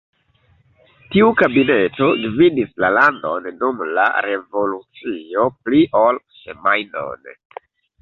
Tiu kabineto gvidis la landon dum la revolucio pli ol semajnon.